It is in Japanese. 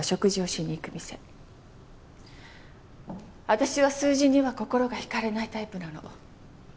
私は数字には心が引かれないタイプなの。